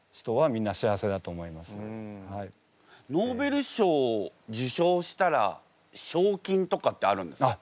ノーベル賞を受賞したら賞金とかってあるんですか？